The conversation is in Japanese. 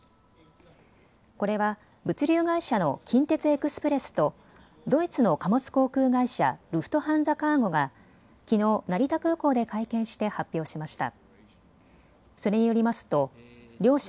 これは物流会社の近鉄エクスプレスとドイツの貨物航空会社、ルフトハンザカーゴがきのう成田空港で会見して発表しました。